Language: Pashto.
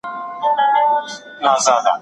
ډګر څېړنه له خلکو سره په مستقیمه اړیکه کي ده.